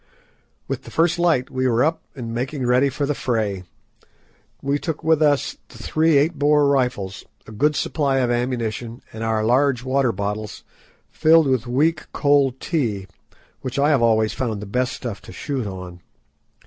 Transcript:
With the first light we were up and making ready for the fray. We took with us the three eight bore rifles, a good supply of ammunition, and our large water bottles, filled with weak cold tea, which I have always found the best stuff to shoot on.